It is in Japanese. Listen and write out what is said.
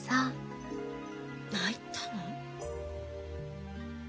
泣いたの！？